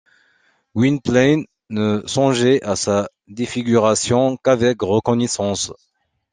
Gwynplaine ne songeait à sa défiguration qu’avec reconnaissance.